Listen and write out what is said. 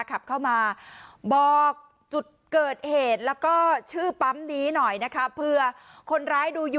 ขับเข้ามาบอกจุดเกิดเหตุแล้วก็ชื่อปั๊มนี้หน่อยนะคะ